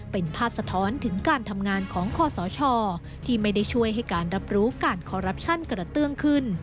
เป็นภาพสะท้อนถึงการทำงานของคอสชที่ไม่ได้ช่วยให้การรับรู้การคอรัปชั่นกระเตื้องขึ้น